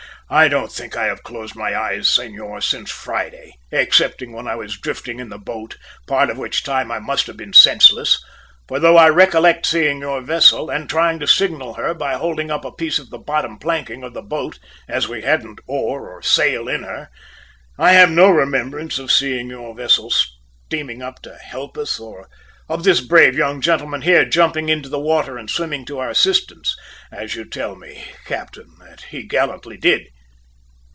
"I don't think I have closed my eyes, senor, since Friday, excepting when I was drifting in the boat, part of which time I must have been senseless; for though I recollect seeing your vessel, and trying to signal her by holding up a piece of the bottom planking of the boat, as we hadn't oar or sail in her, I have no remembrance of seeing your vessel steaming up to help us, or of this brave young gentleman here jumping into the water and swimming to our assistance, as you tell me, captain, that he gallantly did.